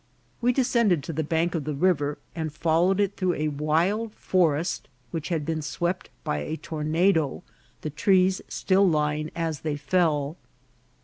"VVe descended to the bank of the river, and followed it through a wild forest, which had been swept by a tornado, the trees still lying as they fell.